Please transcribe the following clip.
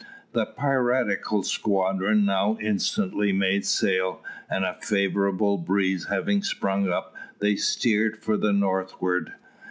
The piratical squadron now instantly made sail, and a favourable breeze having sprung up, they steered for the northward.